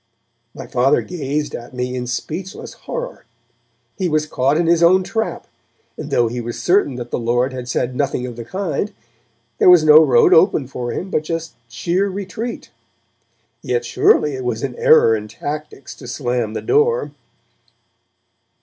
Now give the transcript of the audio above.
My Father gazed at me in speechless horror. He was caught in his own trap, and though he was certain that the Lord had said nothing of the kind, there was no road open for him but just sheer retreat. Yet surely it was an error in tactics to slam the door.